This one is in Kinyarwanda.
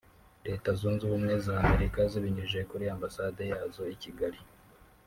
Leta zunze ubumwe za Amerika zibinyujije kuri Ambasade yazo i Kigali